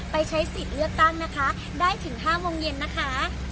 ใช้สิทธิ์เลือกตั้งนะคะได้ถึง๕โมงเย็นนะคะ